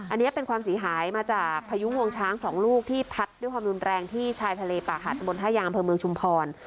อันนี้เป็นความเสียหายมาจากพายุงวงช้างสองลูกที่พัดด้วยความรุนแรงที่ชายทะเลป่าหาดตะบนท่ายางอำเภอเมืองชุมพร